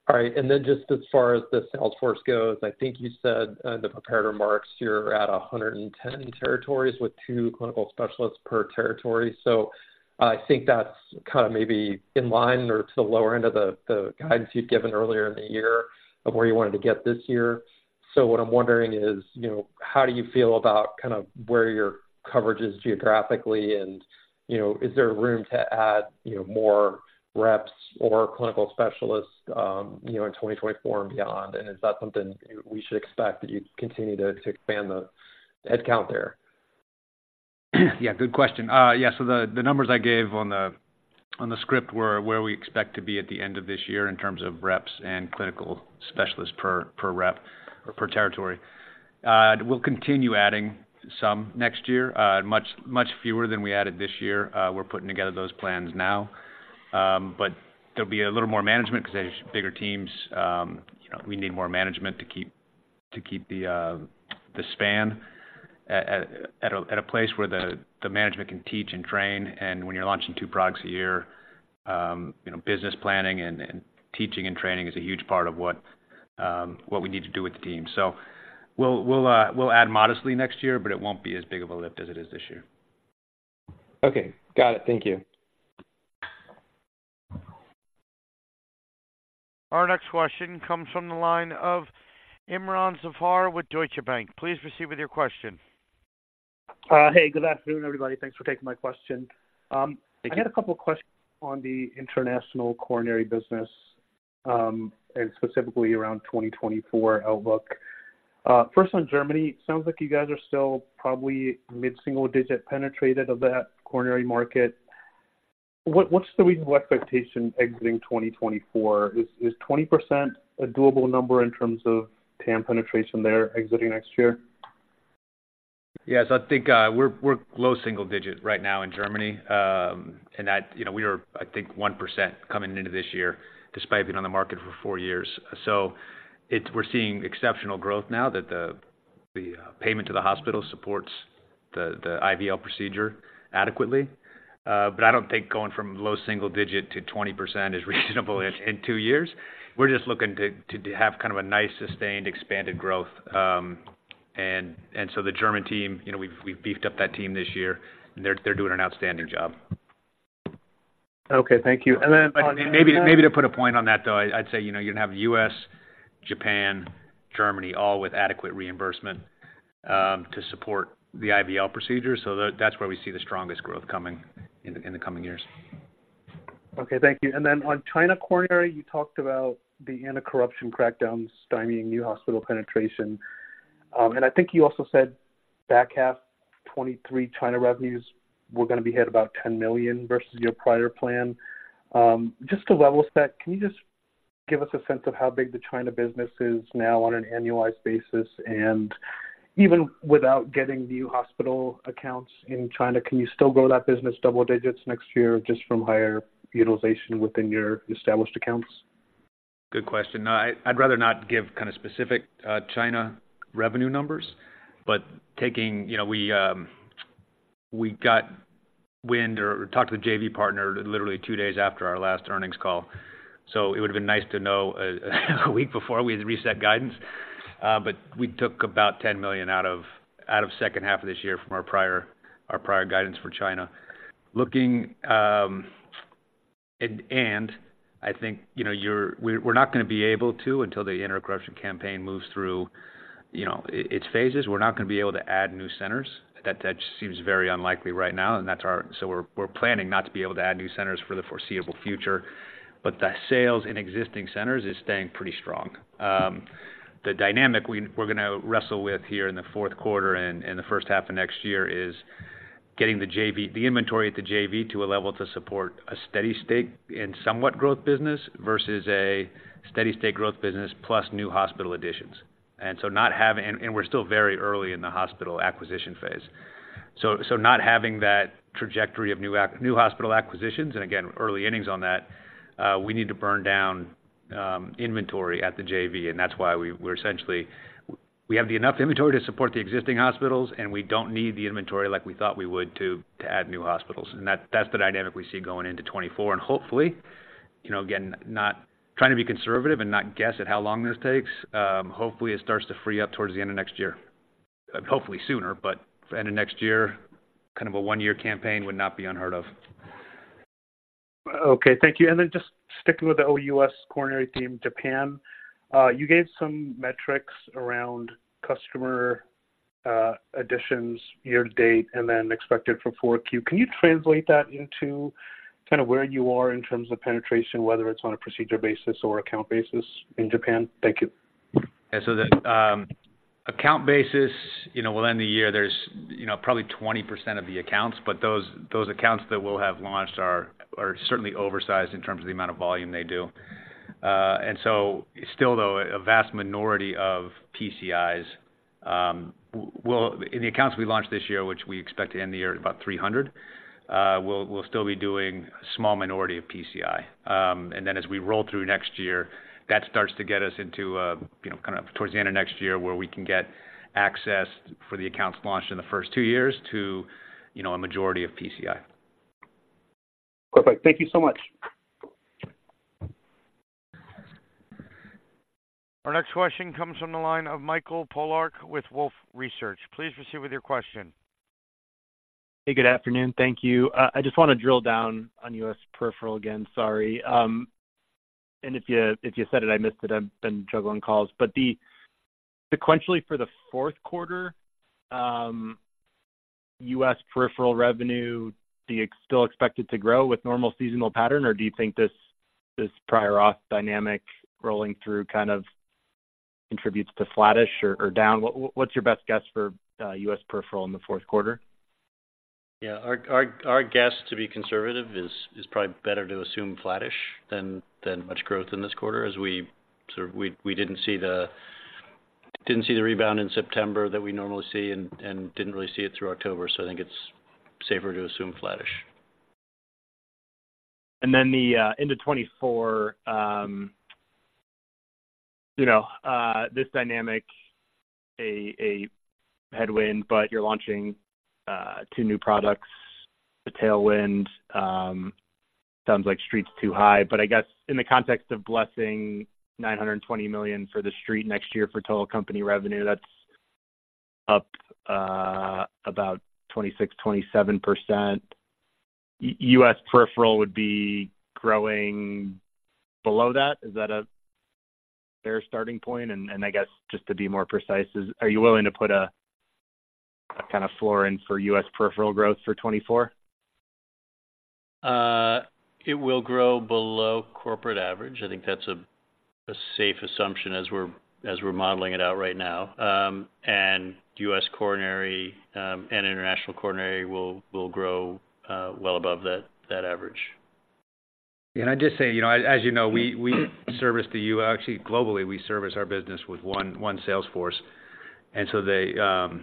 All right, and then just as far as the sales force goes, I think you said in the prepared remarks, you're at 110 territories with two clinical specialists per territory. So I think that's kind of maybe in line or to the lower end of the guidance you'd given earlier in the year of where you wanted to get this year. So what I'm wondering is, you know, how do you feel about kind of where your coverage is geographically and, you know, is there room to add, you know, more reps or clinical specialists, you know, in 2024 and beyond? And is that something we should expect, that you continue to expand the headcount there? Yeah, good question. Yeah, so the numbers I gave on the script were where we expect to be at the end of this year in terms of reps and clinical specialists per rep or per territory. We'll continue adding some next year, much fewer than we added this year. We're putting together those plans now. But there'll be a little more management because there's bigger teams. You know, we need more management to keep the span at a place where the management can teach and train. And when you're launching two products a year, you know, business planning and teaching and training is a huge part of what we need to do with the team. We'll add modestly next year, but it won't be as big of a lift as it is this year. Okay, got it. Thank you. Our next question comes from the line of Imron Zafar with Deutsche Bank. Please proceed with your question. Hey, good afternoon, everybody. Thanks for taking my question. Thank you. I had a couple of questions on the international coronary business, and specifically around 2024 outlook. First on Germany, it sounds like you guys are still probably mid-single digit penetrated of that coronary market. What's the reasonable expectation exiting 2024? Is 20% a doable number in terms of TAM penetration there exiting next year? Yes, I think we're low single digit right now in Germany. And that, you know, we were, I think, 1% coming into this year, despite being on the market for four years. So, we're seeing exceptional growth now that the payment to the hospital supports the IVL procedure adequately. But I don't think going from low single digit to 20% is reasonable in two years. We're just looking to have kind of a nice, sustained, expanded growth. And so the German team, you know, we've beefed up that team this year, and they're doing an outstanding job. Okay, thank you. And then on- Maybe, maybe to put a point on that, though, I'd say, you know, you'd have U.S., Japan, Germany, all with adequate reimbursement to support the IVL procedure. So that, that's where we see the strongest growth coming in, in the coming years. Okay, thank you. And then on China coronary, you talked about the anti-corruption crackdown stymieing new hospital penetration. And I think you also said back half 2023 China revenues were going to be hit about $10 million versus your prior plan. Just to level set, can you just give us a sense of how big the China business is now on an annualized basis? And even without getting new hospital accounts in China, can you still grow that business double digits next year, just from higher utilization within your established accounts? Good question. I'd rather not give kind of specific China revenue numbers, but taking... You know, we got wind or talked to the JV partner literally two days after our last earnings call. So it would have been nice to know a week before we had to reset guidance, but we took about $10 million out of second half of this year from our prior guidance for China. Looking, and I think, you know, we're not going to be able to, until the Anti-Corruption Campaign moves through, you know, its phases, we're not going to be able to add new centers. That, that seems very unlikely right now, and that's our—so we're, we're planning not to be able to add new centers for the foreseeable future, but the sales in existing centers is staying pretty strong. The dynamic we're going to wrestle with here in the Q4 and the first half of next year is getting the JV, the inventory at the JV to a level to support a steady state in somewhat growth business versus a steady state growth business plus new hospital additions. And so not having—and we're still very early in the hospital acquisition phase. So not having that trajectory of new hospital acquisitions, and again, early innings on that, we need to burn down inventory at the JV, and that's why we're essentially... We have enough inventory to support the existing hospitals, and we don't need the inventory like we thought we would to add new hospitals. That, that's the dynamic we see going into 2024. Hopefully, you know, again, not trying to be conservative and not guess at how long this takes, hopefully, it starts to free up towards the end of next year. Hopefully sooner, but end of next year, kind of a one-year campaign would not be unheard of. Okay, thank you. And then just sticking with the OUS coronary theme, Japan, you gave some metrics around customer additions year to date and then expected for Q4. Can you translate that into kind of where you are in terms of penetration, whether it's on a procedure basis or account basis in Japan? Thank you. Yeah. So the account basis, you know, we'll end the year. There's, you know, probably 20% of the accounts, but those accounts that we'll have launched are certainly oversized in terms of the amount of volume they do. And so still, though, a vast minority of PCIs will in the accounts we launched this year, which we expect to end the year at about 300. We'll still be doing a small minority of PCI. And then as we roll through next year, that starts to get us into, you know, kind of towards the end of next year, where we can get access for the accounts launched in the first two years to, you know, a majority of PCI. Perfect. Thank you so much. Our next question comes from the line of Michael Polark with Wolfe Research. Please proceed with your question. Hey, good afternoon. Thank you. I just want to drill down on U.S. peripheral again, sorry. And if you, if you said it, I missed it, I've been juggling calls. But the, sequentially for the Q4, U.S. peripheral revenue, do you still expect it to grow with normal seasonal pattern, or do you think this, this prior auth dynamic rolling through kind of contributes to flattish or, or down? What, what's your best guess for, U.S. peripheral in the Q4? Yeah, our guess, to be conservative, is probably better to assume flattish than much growth in this quarter as we sort of—we didn't see the rebound in September that we normally see and didn't really see it through October. So I think it's safer to assume flattish. And then the into 2024, you know, this dynamic, a headwind, but you're launching two new products. The tailwind sounds like street's too high, but I guess in the context of blessing $920 million for the street next year for total company revenue, that's up about 26%-27%. U.S. peripheral would be growing below that. Is that a fair starting point? And I guess just to be more precise, are you willing to put a kind of floor in for U.S. peripheral growth for 2024? It will grow below corporate average. I think that's a safe assumption as we're modeling it out right now. And U.S. coronary and international coronary will grow well above that average. Can I just say, you know, as you know, we service the - actually, globally, we service our business with one sales force, and so they, you know,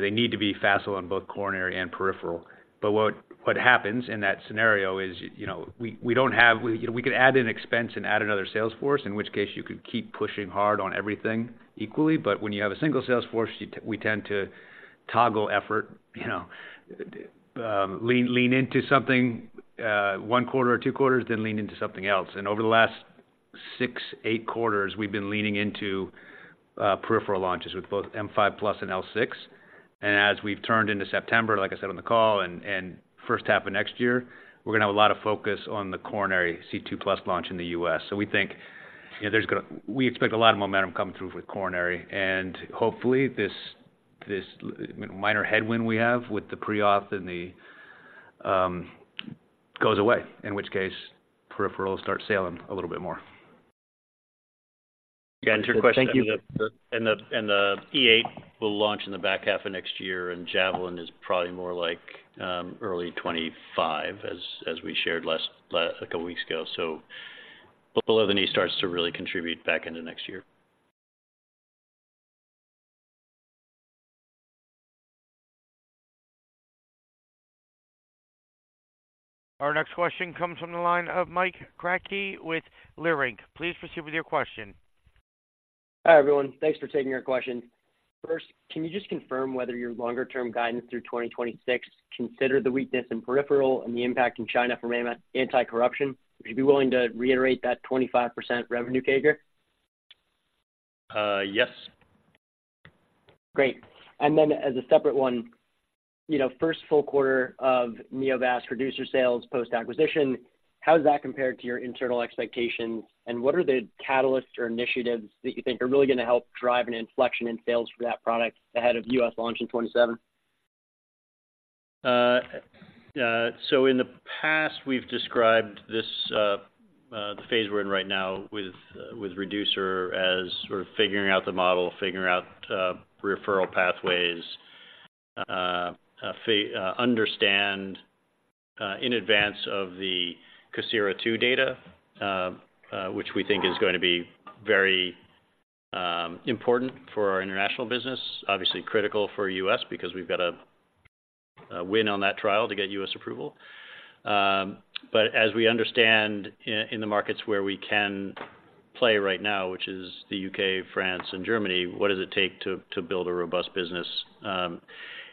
they need to be facile on both coronary and peripheral. But what happens in that scenario is, you know, we don't have - we could add an expense and add another sales force, in which case you could keep pushing hard on everything equally. But when you have a single sales force, we tend to toggle effort, you know, lean into something, one quarter or two quarters, then lean into something else. And over the last six, eight quarters, we've been leaning into peripheral launches with both M5+ and L6. As we've turned into September, like I said on the call, and, and first half of next year, we're going to have a lot of focus on the coronary C2+ launch in the U.S. So we think, you know, there's gonna, we expect a lot of momentum coming through with coronary, and hopefully, this, this minor headwind we have with the pre-auth and the, goes away, in which case peripheral will start sailing a little bit more. Yeah, that's your question. Thank you. And the E8 will launch in the back half of next year, and Javelin is probably more like early 25, as we shared a couple weeks ago. So below the knee starts to really contribute back into next year. Our next question comes from the line of Mike Kratky with Leerink Partners. Please proceed with your question. Hi, everyone. Thanks for taking our question. First, can you just confirm whether your longer-term guidance through 2026 consider the weakness in peripheral and the impact in China from anti-corruption? Would you be willing to reiterate that 25% revenue CAGR? Uh, yes. Great. And then as a separate one, you know, first full quarter of Neovasc Reducer sales post-acquisition, how does that compare to your internal expectations, and what are the catalysts or initiatives that you think are really going to help drive an inflection in sales for that product ahead of U.S. launch in 2027? So in the past, we've described this, the phase we're in right now with with Reducer as we're figuring out the model, figuring out referral pathways, understand in advance of the COSIRA-II data, which we think is going to be very important for our international business. Obviously critical for U.S., because we've got a win on that trial to get U.S. approval. But as we understand in, in the markets where we can play right now, which is the U.K., France, and Germany, what does it take to, to build a robust business?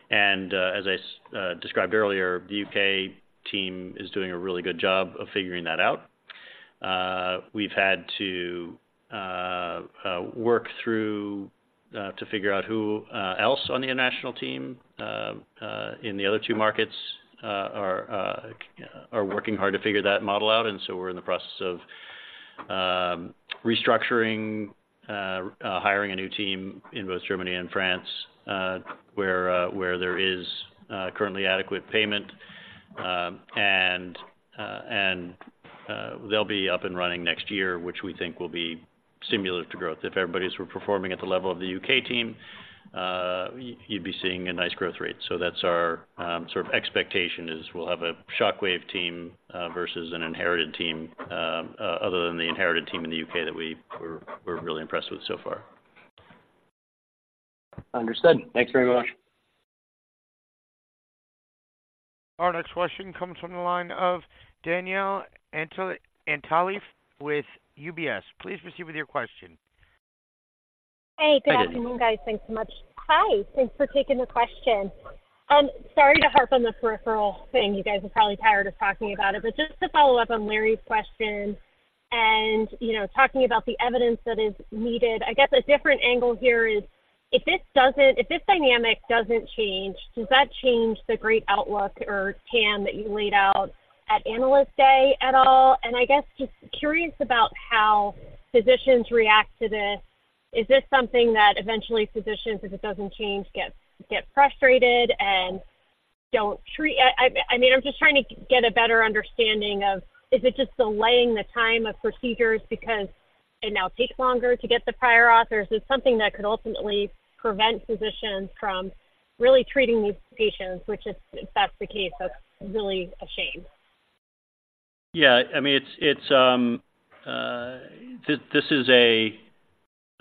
And as I described earlier, the U.K. team is doing a really good job of figuring that out. We've had to work through to figure out who else on the international team in the other two markets are working hard to figure that model out, and so we're in the process of restructuring, hiring a new team in both Germany and France, where there is currently adequate payment. And they'll be up and running next year, which we think will be similar to growth. If everybody's were performing at the level of the UK team, you'd be seeing a nice growth rate. So that's our sort of expectation, is we'll have a Shockwave team versus an inherited team other than the inherited team in the UK that we're really impressed with so far. Understood. Thanks very much. Our next question comes from the line of Danielle Antalffy with UBS. Please proceed with your question. Hey, good afternoon, guys. Thanks so much. Hi, thanks for taking the question. Sorry to harp on the peripheral thing. You guys are probably tired of talking about it, but just to follow up on Larry's question and, you know, talking about the evidence that is needed, I guess a different angle here is: If this doesn't—if this dynamic doesn't change, does that change the great outlook or tam that you laid out at Analyst Day at all? And I guess, just curious about how physicians react to this. Is this something that eventually physicians, if it doesn't change, get, get frustrated and don't treat... I mean, I'm just trying to get a better understanding of, is it just delaying the time of procedures because it now takes longer to get the prior auth or is this something that could ultimately prevent physicians from really treating these patients, which is, if that's the case, that's really a shame. Yeah, I mean, it's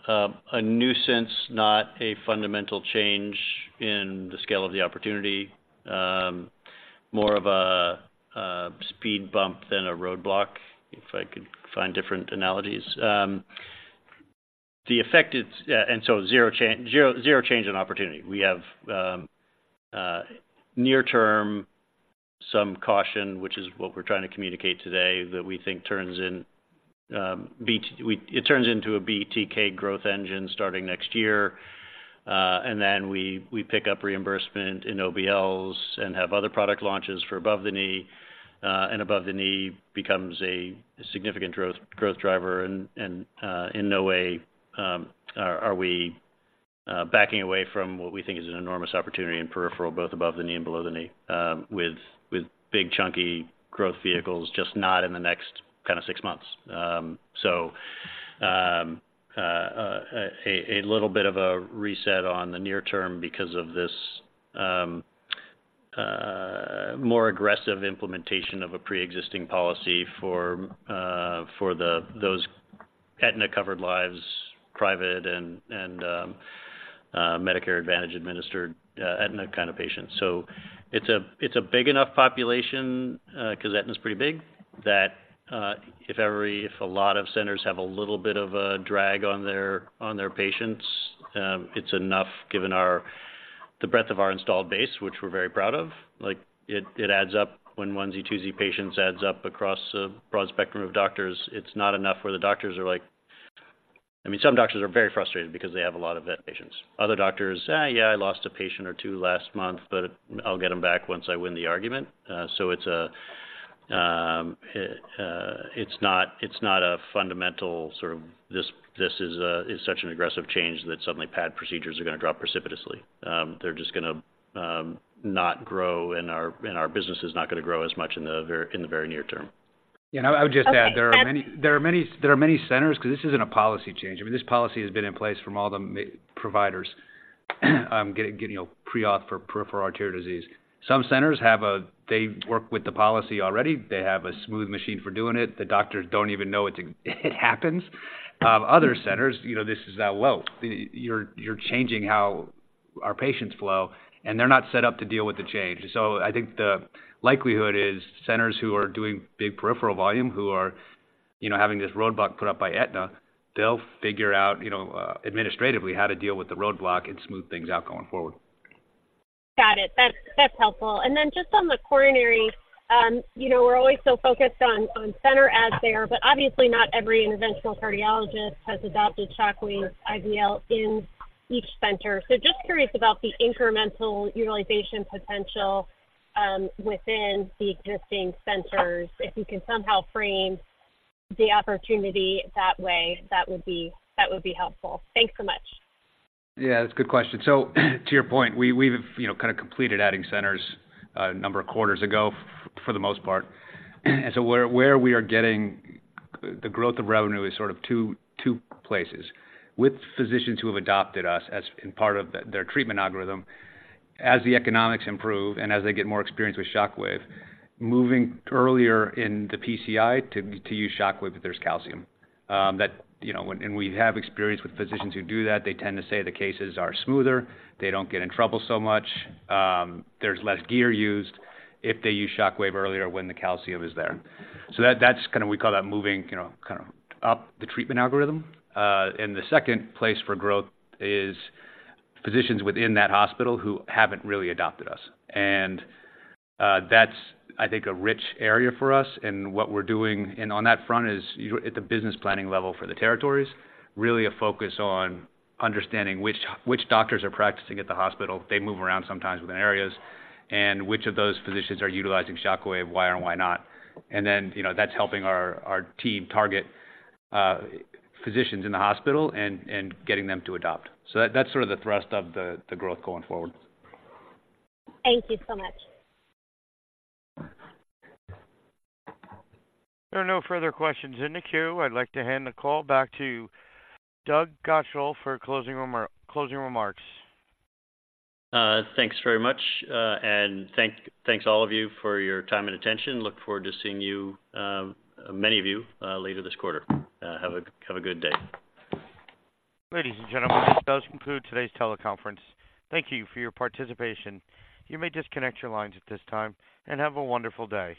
a nuisance, not a fundamental change in the scale of the opportunity. More of a speed bump than a roadblock, if I could find different analogies. The effect is zero change in opportunity. We have near term some caution, which is what we're trying to communicate today, that we think turns into a BTK growth engine starting next year. And then we pick up reimbursement in OBLs and have other product launches for above the knee, and above the knee becomes a significant growth driver. In no way are we backing away from what we think is an enormous opportunity in peripheral, both above the knee and below the knee, with big, chunky growth vehicles, just not in the next kind of six months. So, a little bit of a reset on the near term because of this more aggressive implementation of a pre-existing policy for those Aetna-covered lives, private and Medicare Advantage administered, Aetna kind of patients. So it's a big enough population, because Aetna is pretty big, that if a lot of centers have a little bit of a drag on their patients, it's enough given the breadth of our installed base, which we're very proud of. Like, it adds up when 1Z, 2Z patients adds up across a broad spectrum of doctors. It's not enough where the doctors are like... I mean, some doctors are very frustrated because they have a lot of vet patients. Other doctors, "Yeah, I lost a patient or two last month, but I'll get them back once I win the argument." So it's not a fundamental sort of. This is such an aggressive change that suddenly PAD procedures are going to drop precipitously. They're just gonna not grow, and our business is not going to grow as much in the very near term. Yeah, and I would just add, there are many centers, because this isn't a policy change. I mean, this policy has been in place from all the providers, getting, you know, pre-op for peripheral arterial disease. Some centers have, they've worked with the policy already. They have a smooth machine for doing it. The doctors don't even know it, it happens. Other centers, you know, this is that, "Whoa, you're changing how our patients flow," and they're not set up to deal with the change. So I think the likelihood is centers who are doing big peripheral volume, who are, you know, having this roadblock put up by Aetna, they'll figure out, you know, administratively, how to deal with the roadblock and smooth things out going forward. Got it. That's, that's helpful. And then just on the coronary, you know, we're always so focused on, on center out there, but obviously not every interventional cardiologist has adopted Shockwave IVL in each center. So just curious about the incremental utilization potential within the existing centers. If you can somehow frame the opportunity that way, that would be, that would be helpful. Thanks so much. Yeah, that's a good question. So to your point, we've, you know, kind of completed adding centers a number of quarters ago, for the most part. And so where we are getting the growth of revenue is sort of two places. With physicians who have adopted us as in part of their treatment algorithm, as the economics improve and as they get more experience with Shockwave, moving earlier in the PCI to use Shockwave, if there's calcium. That, you know, and we have experience with physicians who do that. They tend to say the cases are smoother, they don't get in trouble so much, there's less gear used if they use Shockwave earlier when the calcium is there. So that's kinda we call that moving, you know, kind of up the treatment algorithm. And the second place for growth is physicians within that hospital who haven't really adopted us. And that's, I think, a rich area for us. And what we're doing on that front is at the business planning level for the territories, really a focus on understanding which doctors are practicing at the hospital. They move around sometimes within areas, and which of those physicians are utilizing Shockwave, why or why not? And then, you know, that's helping our team target physicians in the hospital and getting them to adopt. So that's sort of the thrust of the growth going forward. Thank you so much. There are no further questions in the queue. I'd like to hand the call back to Doug Godshall for closing remark, closing remarks. Thanks very much, and thanks all of you for your time and attention. Look forward to seeing you, many of you, later this quarter. Have a good day. Ladies and gentlemen, this does conclude today's teleconference. Thank you for your participation. You may disconnect your lines at this time and have a wonderful day.